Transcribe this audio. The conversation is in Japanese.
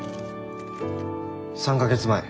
３か月前